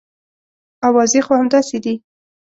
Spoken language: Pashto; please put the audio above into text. اوازې خو همداسې دي.